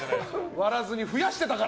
割らずに増やしてたから。